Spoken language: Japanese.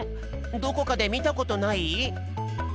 どこかでみたことない？